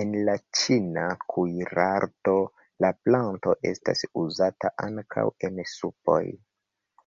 En la ĉina kuirarto la planto estas uzata ankaŭ en supoj.